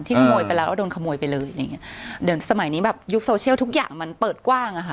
ขโมยไปแล้วแล้วโดนขโมยไปเลยอะไรอย่างเงี้ยเดี๋ยวสมัยนี้แบบยุคโซเชียลทุกอย่างมันเปิดกว้างอ่ะค่ะ